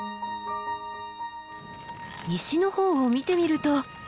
西の方を見てみると。